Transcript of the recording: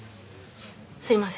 すいません。